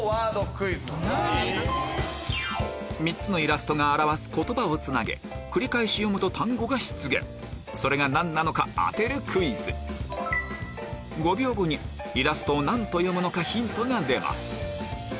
３つのイラストが表す言葉をつなげ繰り返し読むと単語が出現それが何なのか当てるクイズ５秒後にイラストを何と読むのかヒントが出ます